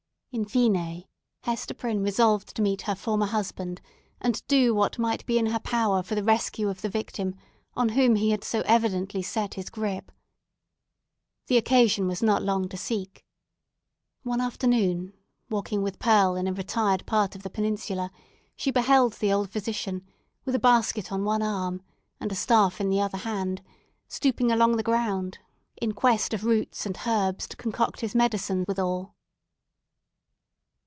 In fine, Hester Prynne resolved to meet her former husband, and do what might be in her power for the rescue of the victim on whom he had so evidently set his gripe. The occasion was not long to seek. One afternoon, walking with Pearl in a retired part of the peninsula, she beheld the old physician with a basket on one arm and a staff in the other hand, stooping along the ground in quest of roots and herbs to concoct his medicine withal.